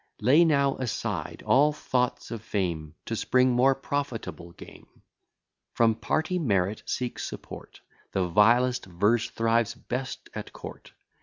Lay now aside all thoughts of fame, To spring more profitable game. From party merit seek support; The vilest verse thrives best at court.